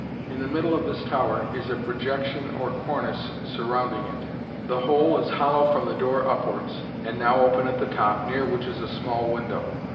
In the middle of this tower is a projection or cornice surrounding it: the whole is hollow from the door upwards, and now open at the top, near which is a small window.